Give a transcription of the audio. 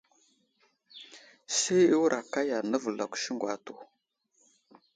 Say i wə́rà kaɗa navəlakw siŋgu atu.